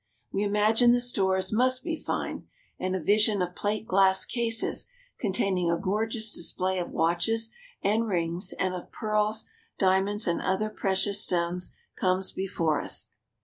We imagine the stores must be fine, and a vision of plate glass cases containing a gorgeous display of watches and rings, and of pearls, diamonds, and other precious stones comes before us.